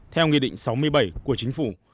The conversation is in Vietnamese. theo nghị định sáu mươi bảy của chính phủ